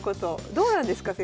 どうなんですか先生。